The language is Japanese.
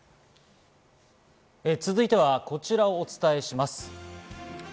続いてはこちらをお伝えします。